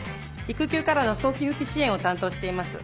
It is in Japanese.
育休からの早期復帰支援を担当しています。